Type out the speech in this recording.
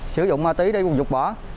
sử dụng ma tí để rụt bỏ